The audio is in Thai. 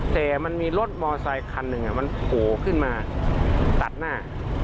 แต่มันมีรถมอไซคันหนึ่งมันโผล่ขึ้นมาตัดหน้า